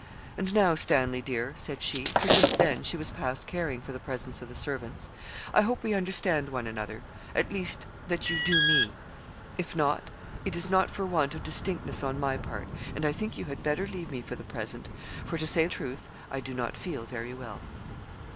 'And now, Stanley, dear,' said she, for just then she was past caring for the presence of the servants, 'I hope we understand one another at least, that you do me. If not, it is not for want of distinctness on my part; and I think you had better leave me for the present, for, to say truth, I do not feel very well.'